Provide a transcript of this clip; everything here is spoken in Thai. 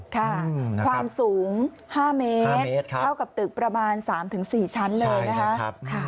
ค่ะความสูง๕เมตรเท่ากับตึกประมาณ๓๔ชั้นเลยนะคะ